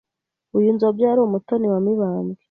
Uyu Nzobya yari umutoni wa Mibambwe